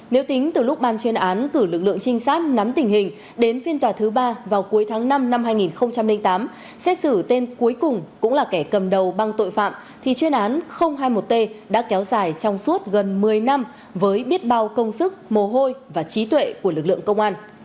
nếu tính từ lúc ban chuyên án cử lực lượng trinh sát nắm tình hình đến phiên tòa thứ ba vào cuối tháng năm năm hai nghìn tám xét xử tên cuối cùng cũng là kẻ cầm đầu băng tội phạm thì chuyên án hai mươi một t đã kéo dài trong suốt gần một mươi năm với biết bao công sức mồ hôi và trí tuệ của lực lượng công an